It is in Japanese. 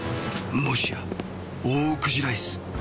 もしやオオクジライス？